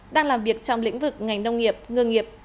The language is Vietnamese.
đang làm việc trong lĩnh vực ngành nông nghiệp ngư nghiệp